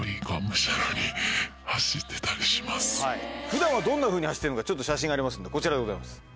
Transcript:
普段はどんなふうに走ってるのかちょっと写真がありますのでこちらでございます。